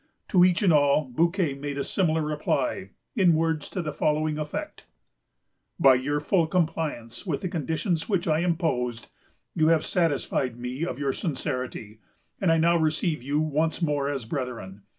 To each and all, Bouquet made a similar reply, in words to the following effect:—— "By your full compliance with the conditions which I imposed, you have satisfied me of your sincerity, and I now receive you once more as brethren.